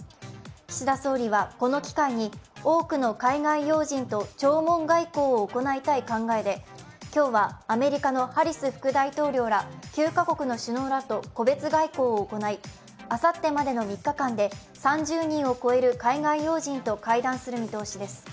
岸田総理はこの機会に多くの海外要人と弔問外交を行いたい考えで今日はアメリカのハリス副大統領ら９か国の首脳らと個別外交を行い、あさってまでの３日間で３０人を超える海外要人と会談する見通しです。